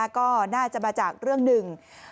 ก็น่าจะมาจากเรื่องหนึ่ง